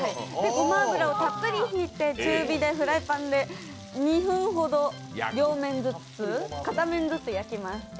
ごま油をたっぷり引いて、中火でフライパンで２分ほど、片面ずつ焼きます。